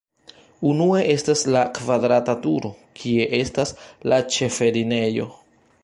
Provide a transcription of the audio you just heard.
Unue estas la kvadrata turo, kie estas la ĉefenirejo.